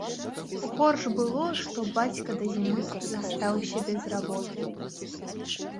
Горш было, што бацька да зімы застаўся без работы.